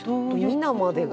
皆までが。